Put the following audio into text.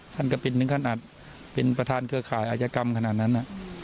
ก็เป็นถึงขนาดเป็นประธานเครือข่ายอาจยกรรมขนาดนั้น